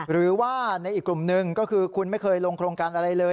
หรือว่าในอีกกลุ่มหนึ่งก็คือคุณไม่เคยลงโครงการอะไรเลย